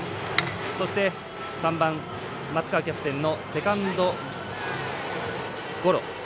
そして、３番松川キャプテンのセカンドゴロ。